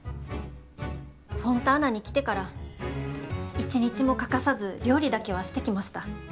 フォンターナに来てから一日も欠かさず料理だけはしてきました。